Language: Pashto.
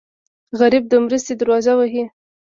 غریب د مرستې دروازه وهي